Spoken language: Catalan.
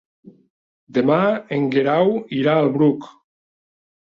Demà en Guerau irà al Bruc.